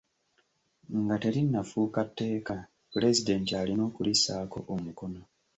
Nga terinnafuuka tteeka, pulezidenti alina okulissaako omukono.